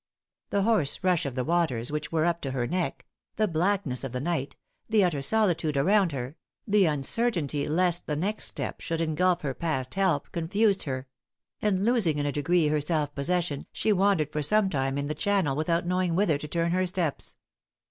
The hoarse rush of the waters, which were up to her neck the blackness of the night the utter solitude around her the uncertainty lest the next step should ingulph her past help, confused her; and losing in a degree her self possession, she wandered for some time in the channel without knowing whither to turn her steps.